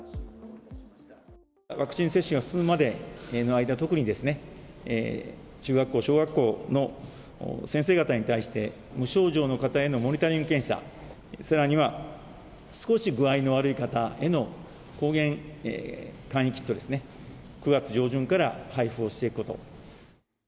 ワクチン接種が進むまでの間、特に中学校、小学校の先生方に対して、無症状の方へのモニタリング検査、さらには少し具合の悪い方への抗原簡易キットですね、９月上旬から配布をしていくこと。